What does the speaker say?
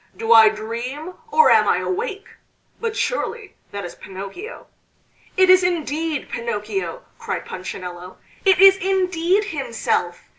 do I dream, or am I awake? But surely that is Pinocchio!" "It is indeed Pinocchio!" cried Punchinello. "It is indeed himself!"